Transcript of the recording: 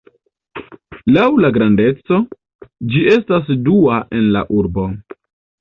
Laŭ la grandeco, ĝi estas dua en la urbo.